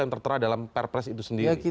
yang tertera dalam perpres itu sendiri